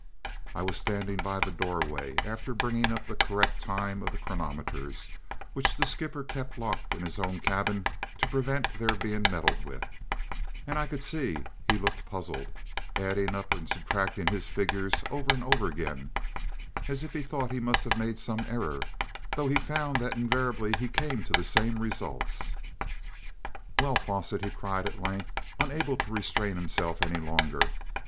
I was standing by the doorway after bringing up the correct time of the chronometers, which the skipper kept locked up in his own cabin to prevent their being meddled with, and I could see he looked puzzled, adding up and subtracting his figures over and over again, as if he thought he must have made some error, though he found that he invariably came to the same result. "Well, Fosset," he cried at length, unable to restrain himself any longer.